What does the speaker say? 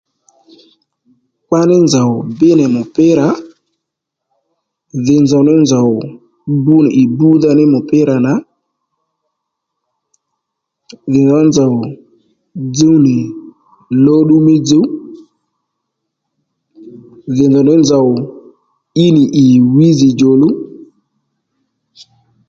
Kpaní nzòw bí nì mùpírà dhì nzòw ní nzòw mbu nì ì mbúdha ní mùpírà nà dhì nzòw ní nzòw dzúw nì lóddú ní dzuw dhì nzòw ní nzòw í nì ì wǐyizì djòluw